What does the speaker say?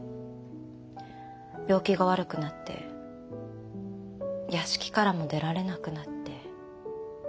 病気が悪くなって屋敷からも出られなくなって。